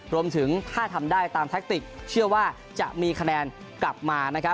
รวมถึงถ้าทำได้ตามแท็กติกเชื่อว่าจะมีคะแนนกลับมา